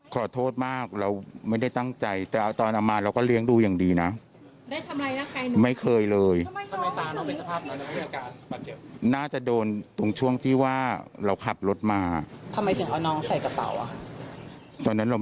เอามาเลี้ยงเอามาเลี้ยงไม่เคยคิดเอามาทำอย่างอื่นเลย